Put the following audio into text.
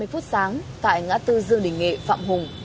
tám h ba mươi sáng tại ngã tư dương đình nghệ phạm hùng